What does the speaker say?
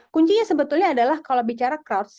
kuncinya sebetulnya adalah kalau bicara cross